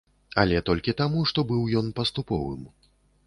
Але толькі таму, што быў ён паступовым.